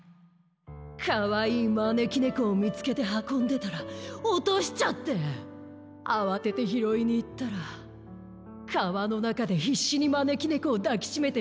かわいいまねきねこをみつけてはこんでたらおとしちゃってあわててひろいにいったらかわのなかでひっしにまねきねこをだきしめてるひとがいたんだ。